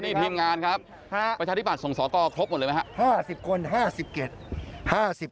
นี่ทีมงานครับประชาธิบัตย์ส่งสอกรครบหมดเลยไหมครับ